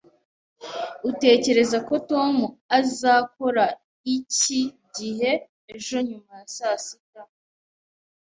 Utekereza ko Tom azakora iki gihe ejo nyuma ya saa sita?